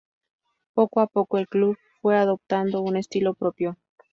Poco a poco el club fue adoptando un estilo propio.